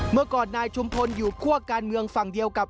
เมื่อก่อนนายชุมพลอยู่คั่วการเมืองฝั่งเดียวกับ